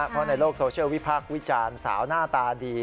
เพราะในโลกโซเชียลวิพากษ์วิจารณ์สาวหน้าตาดี